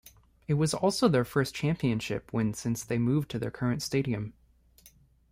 It was also their first championship win since they moved to their current stadium.